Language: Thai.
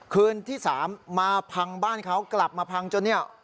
คืนที่๓มาพังบ้านเขากลับมาพังจนเนี่ย